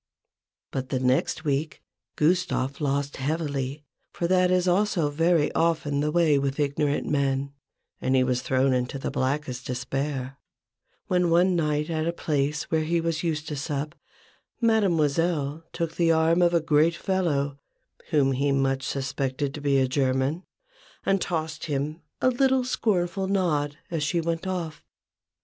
But the next week Gustave lost heavily, for that is also very often the way with ignorant men : and he was thrown into the blackest despair, when one night at a place where he was used to sup, Mademoiselle took the arm of a great fellow, whom he much suspected to be a German, and tossed him a little scornful nod, as she went off.